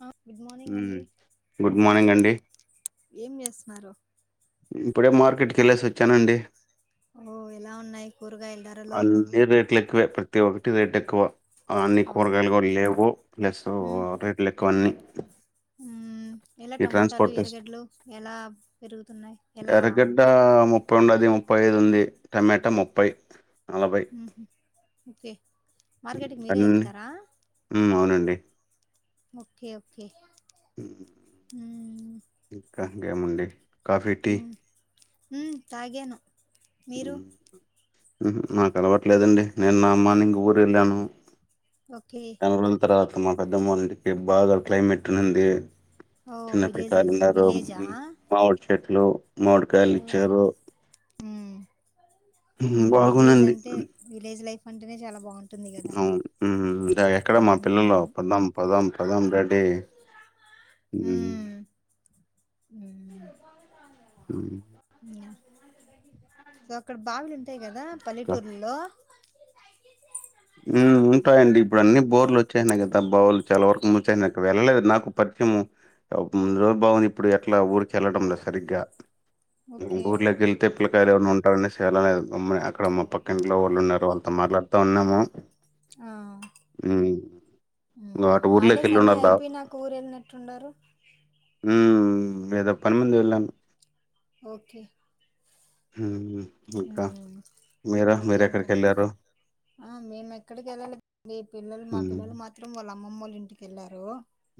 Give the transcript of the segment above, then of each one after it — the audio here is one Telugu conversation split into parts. అ ఉమ్ గుడ్ మార్నింగ్ అండి ఏం చేస్తున్నారు ఇప్పుడే మార్కెట్కి వెళ్ళేసి వచ్చానండి ఓ ఎలా ఉన్నాయి కూరగాయల ధరలు ఎక్కువే ప్రతి ఒక్కటి రేట్ ఎక్కువ అన్నీ అవును కూరగాయలు కూడా లేవు ప్లస్ ఉమ్ రేట్లు ఎక్కువన్నీ ఎలా టమోటాలు ట్రాన్స్‌పోర్టేషన్ ఎరగడ్లు ఎలా పెరుగు ఎర్రగడ్డ ముప్పై ఉండది ముప్పై ఐదు ఉంది టమాటా ముప్పై ఓకే మార్కెట్కి మీరే అన్నీ వెళ్తారా హ్మ్. అవునండి. ఓకే ఓకే దానికి ఏముందండి కాఫీ టీ ఉమ్ ఉమ్ తాగేను మీరు నాకు అలవట్లేదండి నిన్న మార్నింగ్ ఊరు వెళ్ళాను ఓకే నెలరోజుల తర్వాత మా పెద్దమ్మ వాళ్ళింటికి బాగా క్లైమేట్ ఉండింది ఓ చిన్నపిల్లలు విలేజెస్ ఉన్నారు విలేజా మామిడి చెట్లు మామిడికాయలు ఓ ఇచ్చారూ ఉమ్ విలేజ్ బాగుందండి అంటే విలేజ్ లైఫ్ అంటేనే చాలా బాగుంటంది అవును ఎక్కడ మా పిల్లలు ఉమ్ పోదాం పోదాం పోదాం డాడీ డి హ్మ్. హ్మ్. హు సో అక్కడ బావులు ఉంటాయి కదా ఇంకా పల్లెటూర్లలో హ్మ్ ఉంటాయిడి ఇప్పుడు అన్ని బోర్లు వచ్చాయనాయి కదా బావులు చాలా వరకు మూసినాయి వెళ్ళలేదు నాకు ప కొంచెం ముందులో భావన ఇప్పుడు ఎట్లా ఊరికి వెళ్లడం లేదు సరిగ్గా ఉ ఓకే. ఊర్లకెళ్తే పిల్లకాయలు ఎవరైనా ఉంటారనేసి వెళ్లలేదు అక్కడ మా పక్కింట్లో వాళ్లు ఉన్నారు వాళ్లతో మాట్లాడుతున్నాము ఆ అటు ఊర్లోకి హాలిడేస్ వెళ్ళి అన్ని ఉండాల అయిపోయినాక ఊరు వెళ్ళినట్టున్నారు హ్మ్ ఏదో పని మీద వెళ్ళను ఓకే ఇంకా హ్మ్. మీరా మీరెఎక్కడికి ఇంకేంటండి? వెళ్ళారు ఆ మేము ఎక్కడికి వెళ్ళాలే మీ పిల్లలు మా హ్మ్. పిల్లలు మాత్రం వాళ్ళ అమ్మమ్మళ్ళ ఇంటికి ఎళ్ళారు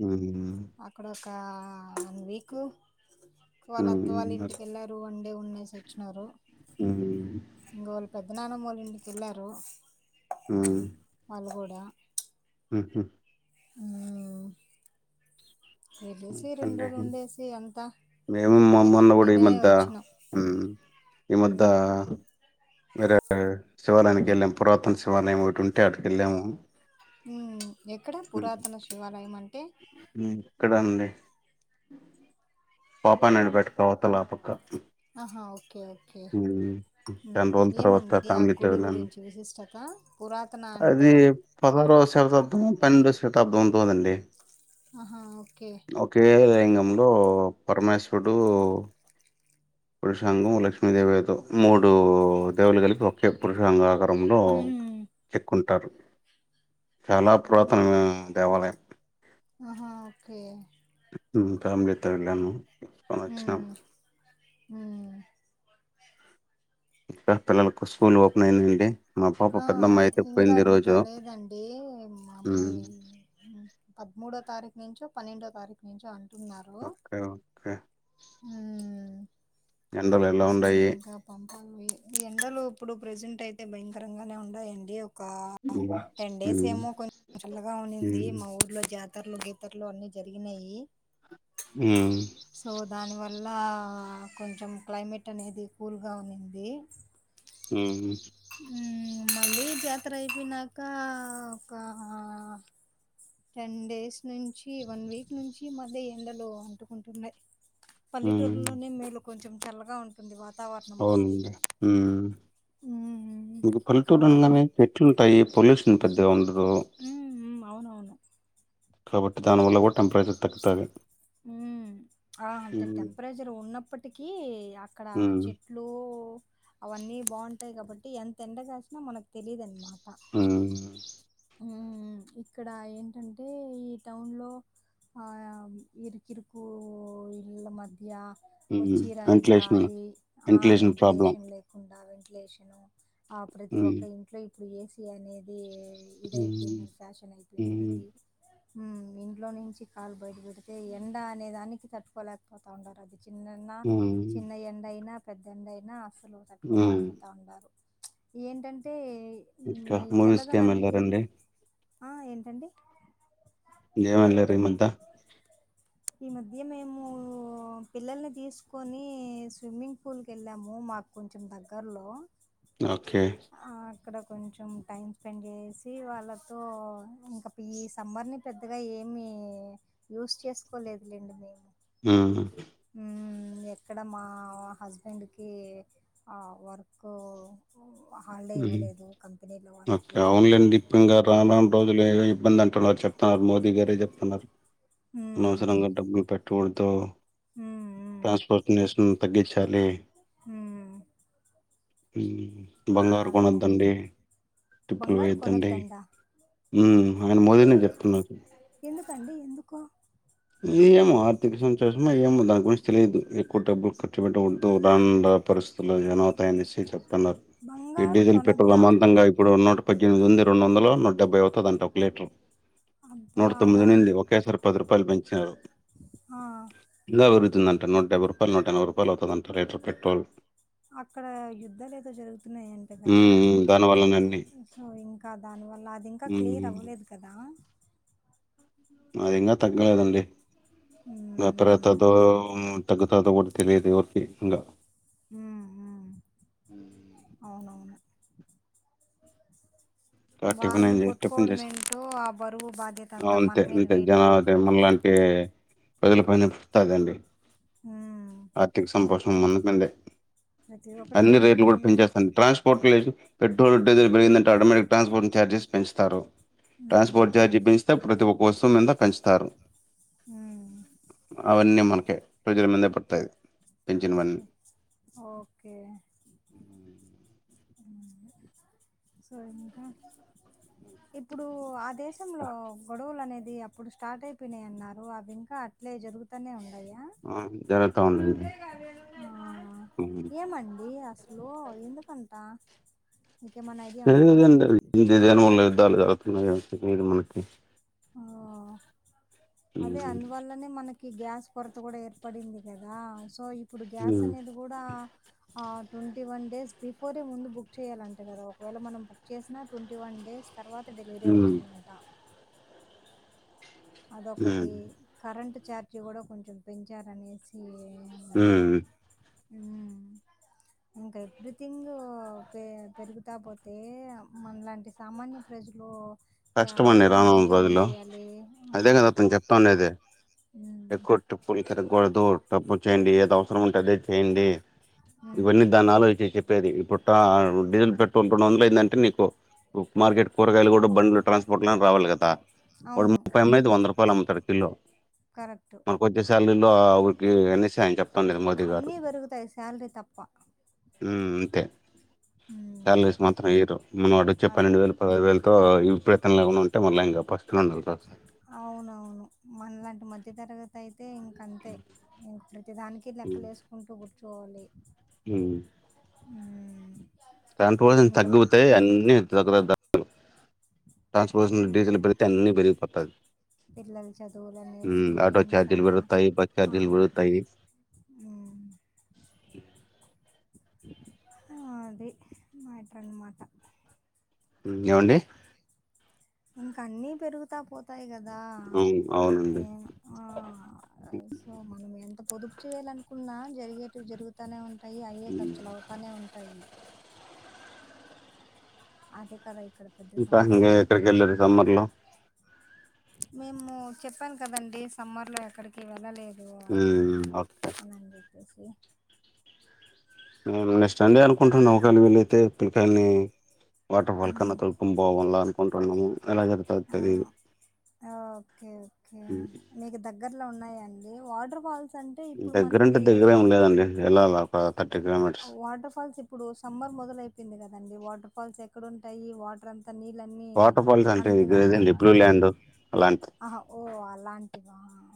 హ్మ్. అక్కడోకా వన్ వీక్ వాళ్ళ అత్త వాళ్ళు హ్మ్. ఇంటికెళ్ళారు వన్ డే ఉండేసి వచ్చినారు హ్మ్. ఇంకో వాళ్ళు పెద్ద నానమ్మవోల్ల ఇంటికి వెళ్ళారు హ్మ్. వాళ్ళు కూడా హుహు వెళ్లేసి ఇ అండి రెండ్రోలుండేసి అంతా మేము మా నిన్ అమ్మోళ్ళు కూడా ఈ నిన్ననే మద్ద వచ్చినాం ఈ మద్ద మ్మ్ వేరే శివాలయానికి వెళ్ళాము పురాతన శివాలయం ఒకటి ఉంటే అటికి వెళ్ళాము హ్మ్ ఎక్కడ పురాతన శివాలయం అంటే పాపా నాయుడుపేట అవతలపక్క ఆహా ఓకే ఓకే చానా రోజుల తర్వాత ఏమండి ఆ ఫ్యామిలీతో గుడి వెళ్ళాను. గురించి విశిష్టత పురాతన అది అంటే పదహారోవ శతాబ్దం పన్నెండు శతాబ్దం ఉందోదండి ఆహా ఓకే ఒకే లింగంలో పరమేశ్వరుడు పురుషాంగం లక్ష్మీదేవితో మూడు దేవుళ్ళు కలిపి ఒకే పురుషాంగాం రూపంలో ఉమ్, చెక్కుంటారు చాలా పురాతనమైన దేవాలయం ఆహా ఓకే ఫ్యామిలీతో వెళ్ళాను వచ్చినాం ఉమ్ ఇక్కకా పిల్లలకు స్కూల్ ఓపెన్ అయిందండి మా పాప ఆ పెద్దమ్మాయి అయితే ఇంకా పోయింది ఈ ఇంకా రోజు లేదండి మా ఉమ్ అమ్మాయి అది మూడో తారీఖు నుంచో పన్నెండో తారీఖు నుంచో అంట ఓకే ఓకే మ్మ్ ఎండల్ ఎలా సో ఉండయి ఇంకా ఎండలు ఇప్పుడు ప్రజెంట్ అయితే భయంకరంగానే ఉండయిఎన్డిఏ ఒక ఉమ్ టెన్ డేస్ ఏమో కొన్ని చల్లగా ఉనింది ఉమ్ మా ఊర్లో జా జతర్లు గీతర్లు అన్నిీ జరిగినాయి ఆ దానివల్ల కొంచెం క్లైమేట్ అనేది కూల్గా ఉన్నింది ఆ మ్మ్, మళ్ళీ జాతర అయిపోయినాక ఒక టెన్ డేస్ నుంచి వన్ వీక్ నుంచి మళ్ళీ ఎండలు అంటుకుంటున్నాయి ఉమ్, పల్లెటూరులోనే మేలు కొంచెం చల్లగా ఉంటుంది వా అవునుండి హ్మ్ హ్మ్. మీకు అక్కడ పల్లెటూరానగానే వాతావరణం చెట్లుంటాయి పొల్యూషన్ పెద్దగా ఉండదు హహ్మ్ అవునవును కాబట్టి దానివల్ల కూడా టెంపరేచర్ తగ్గతది ఉ ఆ అంటే టెంప్రారిజర్ ఉన్నప్పటికీ అక్కడ చెట్లు అవన్నీ బొం అయి కాబట్టి ఎంత ఎండ కాసినా మనకు తెలీయదున్నమాట ఆ హ్మ్ ఇక్కడ ఏంటంటే ఈ టౌన్లో ఆయ ఇరుకిరుకు ఇళ్ల మధ్య ఉమ్ వచ్చి రాని వెంటిలేషన్ గాలి ఆ వెంటిలేషన్ లేకుండా వెంటిలేషను ఆ ప్రతి ఉమ్ ఒక్కఇంట్లో ఇప్పుడు ఏసి అనేది ఇదియిపోయింది ఉమ్ ఫ్యాషన్ అయిపోయింది ఉమ్ అది ఇంట్లో నుంచి కాలు బయటప అతే ఎండ అనే దానికి తట్టుకోలేకపోతానారు అది చిన్నన్న ఉమ్ చిన్న ఎండ అయినా పెద్దండ అయినా అసలు ఉమ్ తట్టుకోలేకపోతా ఉన్నారు ఏంటంటే హ్మ్. ఈ ఇంకా మూవీస్కి ఏం చల్లదనానికి వెళ్లారండి ఆ ఏంటండి ఎంవీల్లారిమ్ందా [inaudible] ఈ మధ్య మేము పిల్లల్ని తీసుకొని స్విమ్మింగ్ పూల్కి వెళ్ళాము మాకు కొంచెం దగ్గరలో ఓకే ఇక్కడ కొంచెం టైమ్ స్పెండ్ చేసి వాళ్ళతో ఇంకా ఈ సమ్మర్ ని పెద్దగా ఏ ఏమి యూస్ చేసుకోలేదులేండి మేము ఆ హ్మ్. ఎక్కడ మా హస్బెండ్కిఆ వర్క్లో ఓకే ఆన్లైన్లే ఇప్పఇంగా హ్మ్. రాంరాన్ రోజులుో ఇబ్బంది అంటున్నారు చెప్ప ఆ మోదీ గారే చెప్తున్నారు హ్మ్. అనవసరంగా డబ్బులు పెట్టవద్దు హ్మ్. ట్రాన్స్పోర్ట్ నేషను తగ్గించాలి హ్మ్. హ్మ్ బంగారు బాననే కొనద్దండి ట్రిప్పులు బంగారు వయద్దండి కొనొద్దంట. హ్మ్ ఆయన మోదీనే చెప్తున్నారు అండి ఎందుకు ఏమో ఆర్థిక సెన్సేషన్ ఏమో దాని గురించి తెలియదు ఎక్కువ డబ్బులు ఖర్చు పెట్టకడదు రాం పరిస్థితుల్లో జనవుతాయనిసి చెప్తున్నారు ఈ బంగారు డీజిల్ పెట్రోల్ కొనొద్దా? అమామంతంగా ఇప్పుడున్నూట పద్దెనిమిది వంది రెండు వందలు నూట డెబ్బై అవుతుంది అంటే ఒక లీటర్ అబ్బా! నూట తొమ్మిది అలా నిండి ఒకేసారి పది రూపాయలు పెంచి నారు ఆ! ఇగ పెరుగుతుందంట నూటటేవ్ పెట్రోల్ నూట ఎన్బాయ్ రూపాయలు అవుతుందంటాేర్ పెటోల్ అక్కడ యుద్ధాలు ఏదో జరుగుతున్నాయంటే ఉమ్ కదా ఉమ్, దాని వల్లనే అన్ని సో ఇంకా దానివల్ల అది ఇంకా క్లియర్ ఉమ్ అవ్వలేదు కదా అయినా తగ్గలేదండి హ్మ్. [unintelligible] హ్మ్. తగ్గు తర్త కూడా తెలియదు ఎవర్కి ఇంకా హ్మ్ హ్మ్ అవునవును ఆ టిఫిన్ ఏం వాళ్ళు చేసి టిఫిన్ కొట్టుకోవడం చేసి ఏంటో ఆ బరువు బాధ్యత అంతా మన మీద వేయడమేంటో ఏ ప్రజలు పనితాదండి ఉమ్ ఆర్థిక ఉమ్. సంతోషణం మన్నండే ప్రతి ఒక్కటి అన్ని ఇంక రేట్లు మన కూడా మీద పెంచేస్తున్నారు ట్రాన్స్పోర్ట్ లేదు పెట్రోల్ డీజిల్ పెరిగిందంటే ఆటోమేటిక్ ట్రాన్స్పోర్ట్. గార్జెస్ పెంచుతారు ఉమ్ ట్రాన్స్పోర్ట్ ఛార్జి పెంచితే ప్రతి ఒక్క వస్తుం మీద పెంచుతారు. ఉమ్ అవన్నీ మనకే రోజుల మందే పడతాది పెంచినవన్నీ. Okay okay. సోర ఇంకా ఇప్పుడు అదే. దేశంలో గొడవలు అనేది అప్పుడు స్టార్ట్ అయిపోయినాయియన్నారు అవి ఇంకా అట్లే జరుగుతూనే ఉంది. ఆహ్ జరుగుత ఉందాండి. ఆహ్ ఏమండి అసలు ఎందుకంతా. లేదండి ఇదే మల యుద్ధాలు జరుగుతున్నాయేమో ఇది మనకి. ఆ అదే ఉమ్, అందువల్లనే మనకి గ్యాస్ కొరత కూడా ఏర్పడింది కదా సో. ఇప్పుడు గ్యాస్ ఉమ్, అనేది కూడా. ఆహ్ ట్వంటీ వన్ డేస్ బిఫోరే ముందు బుక్ చేయాలంటే కదా ఒకవేళ మనం బుక్ చేసినా ట్వంటీ వన్ డేస్. తర్వాతే డెలివరీ ఉమ్. అవుతుందంటా. హ్మ్ అదొకటి కరెంటు ఛార్జ్ కూడా కొంచెం పెంచారనేసి. అన్నారు ఉమ్. ఉమ్. ఇంకా ఎవ్రీథింగ్ పె పెరుగుతా పోతే మనలాంటి సామాన్య ప్రజలు. యా కష్టమండి ఎలా రానున్న మెయింటైన్ రోజుల్లో చేయ్యాలి. అదే కదా అతను చెప్తానేది ఉమ్ ఎక్కువ టప్పులు తిరగకూడదు తప్పులు చేయండి ఏదవ. ఉంటే అదే చేయండి ఉమ్ ఇవన్నీ దాన్ని ఆలోచి చెసే. పేది ఇప్పుడు ట డీజిల్ పెట్రోల్ [unintelligible] ఏంటంటే నీకు మార్కెట్ కూరగాయలు కూడా బండ్లు. ట్రాన్స్పోర్ట్ లా రావాలి కదా. వాడు అవును ముప్పై అమ్మెది వంద రూపాయలు అమ్ముతాడు కిలో కరెక్ట్ మనకోచ్చే శాలరీలో. ఆహ్ ఉరికే ఎన్నిసార్లు చెప్పు. అన్నీ పెరుగుతాయి శాలరీ తప్ప. ఉమ్ అంతే. ఉమ్ సాలరీస్ మాత్రం ఇయ్యరు మనం వాడు ఇచ్చే అది పన్నెండు వేలు పదహదు వేలతో ఇప్ ఏమన్నా ఉంటే మళ్ళీ ఇంకా పస్తులు ఉండాలి. మధ్య తరగతి అయితే ఇంక అంతే ఇంకా ప్రతిదానికి లెక్కలు వేసుకుంటూ కూర్చోవాలి. ఉమ్. ఉమ్. కంట్రోల్ ఇంకా తగ్గుతాయి అన్ని తక్కువై. ట్రాన్స్పోర్టేషన్ డీజల్ పెడితే ఎన్ని పెరిగిపోతది. పిల్లల చదువులనేసి ఉమ్ ఆటో ఇంకా ఛార్జీలు పెరుగుతాయి బస్ ఛార్జీలు ఆహ్. పెరుగుతాయి ఉమ్. ఆహ్ అది మాట అన్నమాట. ఏమండి. ఇంకా అన్నీ పెరుగుతా పోత్. వస్తాయి కదా అవును అవునండి ఆహ్ ఉమ్ సో మనం. ఆహ్ పొదుపు చేయాలనుకున్నా జరిగేటివి జరుగుతానే ఉంటాయి అయ్యే ఉమ్, ఖర్చులు అవుతానే ఉంటాయి. అది కరెక్ట్. ఇంకా ఇకా ఎక్కడికి వెళ్ళారు సమ్మర్ లో. మేము చెప్పాను కదండి సమ్మర్లో ఎక్కడికి వెళ్ళలేదు. ఆహ్ ఓకే. హే సి. నేను నెక్స్ట్ సండే అనుకుంటున్నా ఒకవేళ వీళైతే పిల్లలని వాటర్ ఫాల్ కన్నా ఉమ్. తొడుకుని పోవాల అనుకుంటున్నాము ఎలా ఆ, జరుగుతుంది. ఓకే ఓకే మీకు దగ్గరలో ఉన్నాయండి వాటర్ ఫాల్స్? అంటే ఇప్పుడు దగ్గరంటే మనకి దగ్గరేం లేదండి వెళ్ళాల ప వాటర్ ఫాల్స్ ఇప్పుడు సమ్మర్ మొదల అయిపోయింది కదండి వాటర్ ఫాల్స్ ఎక్కడంటాయి వాటర్ అంత వాటర్ ఫాల్స్ అంటే ఇర ఏదం డిబ్లూ ల్యాండ్ అలాంటి ఆహ ఓ అలాంటివ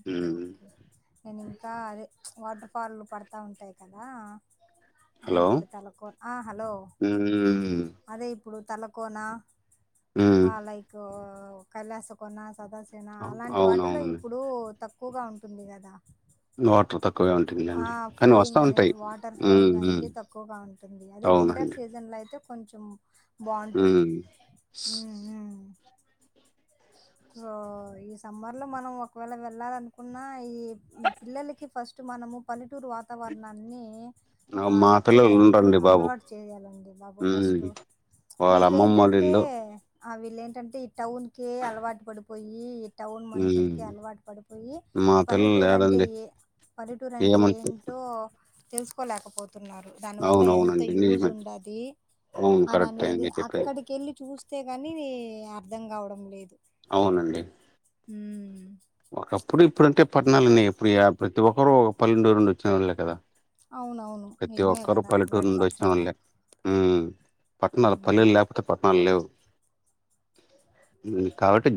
ఓకే ఉమ్ ఓకే నేను ఇంకా అదే వాటర్ఫాల్లు పడతూ ఉంటాయి కదా ఆ హలో ఇప్పుడు తలకో హలో ఉమ్ అదే ఇప్పుడు తలకోనా ఉమ్ ఆ లైక్ కళ్యాస కొన్నాస్ సదాసేన అవ్ అలాంటి వాటిలో అవునవునండి ఇప్పుడు తక్కువగా ఉంటుంది కదా. వాటర్ తక్కువే ఉంటుందిండి కానీ వస్తా ఉంటాయి. మ్ నేది తక్కువగా ఉంటుంది అదే వింటర్ సీజన్ లో అయితే కొంచెం బావుంటుంది హ్మ్. ఉ ఉ సో ఈ సమ్మర్ లో మనం ఒకవేళ వెళ్ళాలనుకున్నా ఈ పిల్లలకి ఫస్ట్ మనము పల్లెటూరు వాతావరణాన్ని ఆ మా పిల్లలు ఇచ్చేయాలి అ ఉండరండి బాబు. అలవాటు చేయ్యాలండి బాబు హ్మ్. ఫస్టు వాళ్ళ వీళ్ళ అమ్మమ్మోళ్ళ ఏంటంటే ఇల్లు. ఆ వీళ్ళ ఏంటంటే ఈ టౌన్ కి అలవాటు పడిపోయి టౌన్ హ్మ్. మనుషులకి అలవాటు పడిపోయి మా పిల్లలు పల్లెటూరు అంటే ఏడండి ఏ పల్లెటూరు అంటే ఏమంటే ఏంటో ఓ తెలుసుకోలేకపో తున్నారు దాని వల్ల ఎంత అవునవునండి. యూజ్ నిజమే. ఉండాది అవును కరెక్టే అననేది మీరు చెప్పేది. అక్కడికి వెళ్ళి చూ స్తే కాని అర్థం కావడం లేదు. అవునండి హ ఒకప్పుడు ఇప్పుడుంటే పట్టనాలన్న ఇప్పుడు ప్రతి ఒక్కరు ఒక పల్లెటూర్ నుండి వచ్చిన వాళ్ళు కదా అవునవును ప్రతి నిజమే ఒక్కరు కదా పల్లెటూరు హండ్రెడ్ నుండి పర్సెంటా వచ్చినోళ్లే పట్టణాలు ఉమ్. పల్లెలు లేకపోతే పట్టణాలు లేవు కాబట్టి